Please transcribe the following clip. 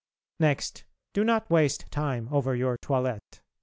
Next, do not waste time over your toilette.